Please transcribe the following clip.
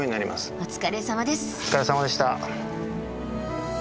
お疲れさまでした。